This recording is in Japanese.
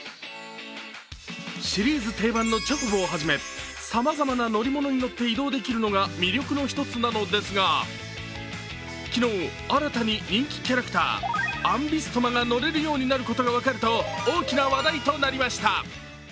シリーズ定番のチョコボをはじめさまざまな乗り物にのって移動できるのが魅力の一つなのですが、昨日、新たに人気キャラクターアンビストマが乗れるようになることが分かると、大きな話題となりました。